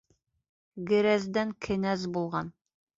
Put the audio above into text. Герәздән кенәз булған.